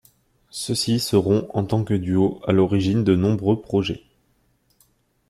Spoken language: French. Ceux-ci seront, en tant que duo, à l’origine de nombreux projets.